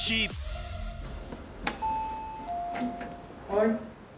はい。